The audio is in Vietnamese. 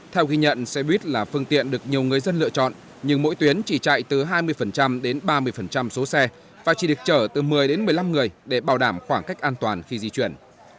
theo ghi nhận xe buýt là phương tiện được nhiều người dân lựa chọn nhưng mỗi tuyến chỉ chạy từ hai mươi đến ba mươi số xe và chỉ được trở từ một mươi đến một mươi năm người để bảo đảm khoảng cách an toàn khi di chuyển